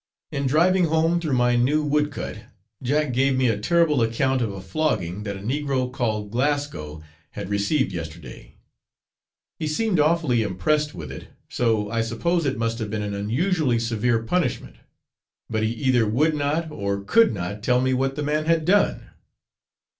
In driving home through my new wood cut, Jack gave me a terrible account of a flogging that a negro called Glasgow had received yesterday. He seemed awfully impressed with it; so I suppose it must have been an unusually severe punishment; but he either would not or could not tell me what the man had done.